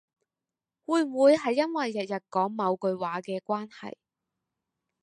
會唔會係因為日日講某句話嘅關係